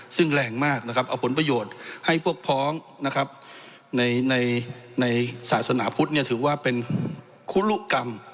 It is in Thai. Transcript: ซึ่งแรงมากนะครับเอาผลประโยชน์ให้พวกพ้องนะครับในศาสนาพุทธถือว่าเป็นคุลุกรรม